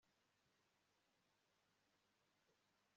zirika ikabutura mu cyuma kimanitse munsi y'umunzani